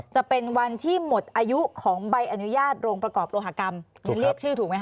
จะเป็นวันที่หมดอายุของใบอนุญาตโรงประกอบโลหกรรมยังเรียกชื่อถูกไหมค